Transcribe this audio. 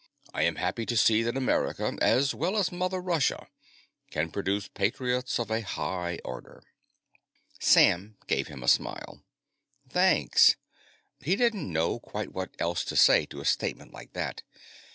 I am happy to see that America, as well as Mother Russia, can produce patriots of a high order." Sam gave him a smile. "Thanks." He didn't know quite what else to say to a statement like that.